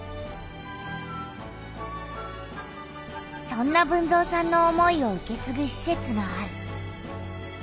そんな豊造さんの思いを受けつぐしせつがある。